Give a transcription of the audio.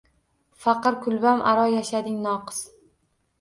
Faqir kulbam aro yashading noqis